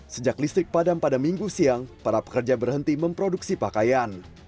sejak listrik padam pada minggu siang para pekerja berhenti memproduksi pakaian